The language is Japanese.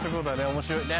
面白いね。